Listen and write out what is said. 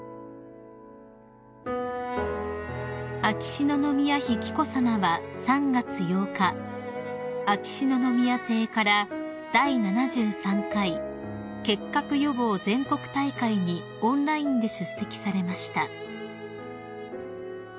［秋篠宮妃紀子さまは３月８日秋篠宮邸から第７３回結核予防全国大会にオンラインで出席されました］